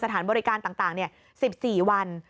สถานบริการต่าง๑๔วัน